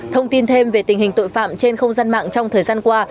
thông tin thêm về tình hình tội phạm trên không gian mạng trong thời gian qua